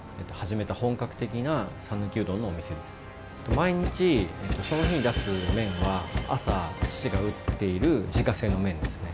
毎日その日に出す麺は朝父が打っている自家製の麺ですね。